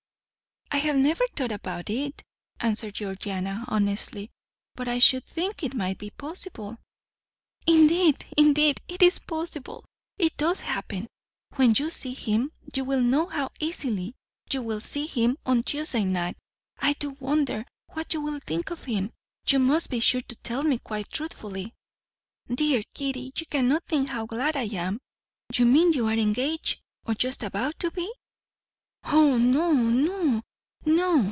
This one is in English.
"I have never thought about it," answered Georgiana honestly, "but I should think it might be possible." "Indeed, indeed, it is possible! It does happen. When you see him, you will know how easily. You will see him on Tuesday night; I do wonder what you will think of him. You must be sure to tell me quite truthfully." "Dear Kitty, you cannot think how glad I am. You mean you are engaged, or just about to be?" "Oh, no, no, no!"